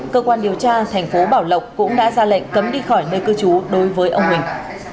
cơ quan điều tra thành phố bảo lộc cũng đã ra lệnh cấm đi khỏi nơi cư trú đối với ông huỳnh